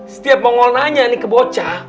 setiap mongol nanya ini kebocor